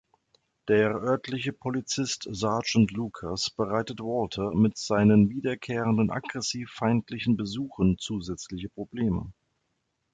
Der örtliche Polizist Sergeant Lucas bereitet Walter mit seinen wiederkehrenden, aggressiv-feindlichen Besuchen zusätzliche Probleme.